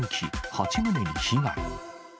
８棟に被害。